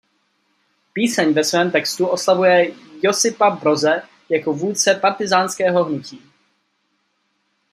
Píseň ve svém textu oslavuje Josipa Broze jako vůdce partyzánského hnutí.